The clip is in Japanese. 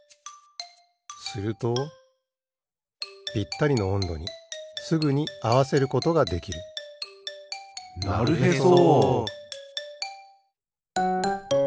するとぴったりのおんどにすぐにあわせることができるなるへそ！